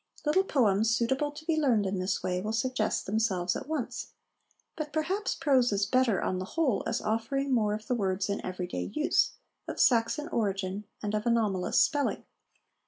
Little poems suitable to be learned in this way will suggest themselves at once; but perhaps prose is better, on the whole, as offering more of the words in everyday use, of Saxon origin, and of anomalous spelling.